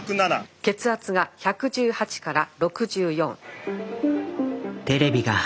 血圧が１１８から６４。